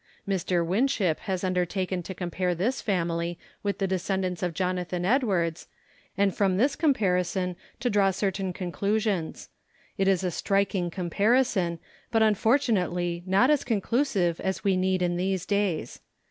Dr. Winship has undertaken to compare this family with the descendants of Jonathan Edwards, and from 52 THE KALLIKAK FAMILY this comparison to draw certain conclusions. It is a striking comparison, but unfortunately not as con clusive as we need in these days.